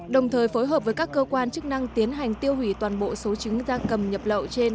đồng thời phối hợp với các cơ quan chức năng tiến hành tiêu hủy toàn bộ số trứng da cầm nhập lậu trên